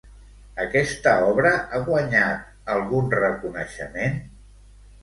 Aquesta obra ha guanyat algun reconeixement?